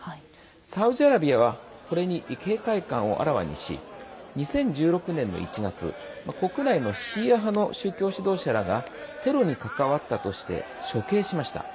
サウジアラビアはこれに警戒感をあらわにし２０１６年の１月国内のシーア派の宗教指導者らがテロに関わったとして処刑しました。